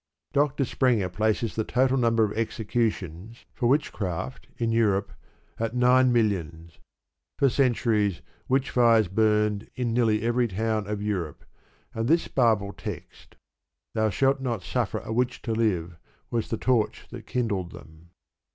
Dr. Sprenger places the total number of executions for witchcraft in Europe at nine millions. For centuries witch fires burned in nearly every town of Europe, and this Bible text, "Thou shalt not suffer a witch to live," was the torch that kindled them.